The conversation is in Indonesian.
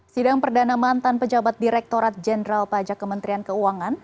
sidang perdana mantan pejabat direktorat jenderal pajak kementerian keuangan